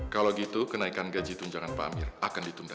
kalau gitu kenaikan gaji tunjangan pak amir akan ditunda